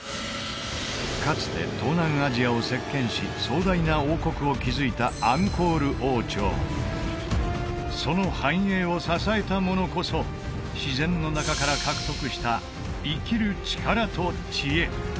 かつて東南アジアを席巻し壮大な王国を築いたその繁栄を支えたものこそ自然の中から獲得した生きる力と知恵